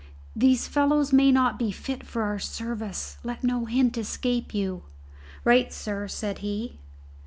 These fellows may not be fit for our service. Let no hint escape you." "Right, sir," said he.